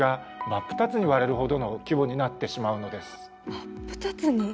真っ二つに！？